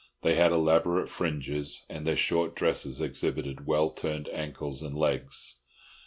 They had elaborate fringes, and their short dresses exhibited well turned ankles and legs.